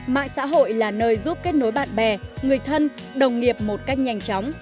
mạng xã hội là nơi giúp kết nối bạn bè người thân đồng nghiệp một cách nhanh chóng